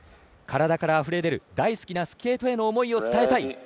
体からあふれ出る大好きなスケートへの思いを伝えたい。